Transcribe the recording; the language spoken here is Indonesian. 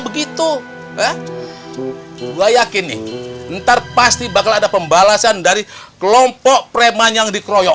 begitu ya gue yakin nih ntar pasti bakal ada pembalasan dari kelompok preman yang dikeroyok